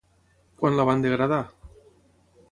Quan la van degradar?